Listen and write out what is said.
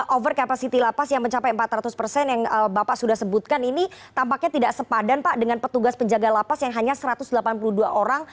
over capacity lapas yang mencapai empat ratus persen yang bapak sudah sebutkan ini tampaknya tidak sepadan pak dengan petugas penjaga lapas yang hanya satu ratus delapan puluh dua orang